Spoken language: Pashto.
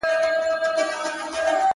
د صبرېدو تعویذ مي خپله په خپل ځان کړی دی